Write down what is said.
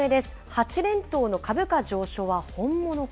８連騰の株価上昇は本物か？